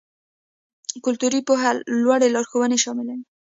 کلتوري پوهه لوړ لارښوونې شاملوي.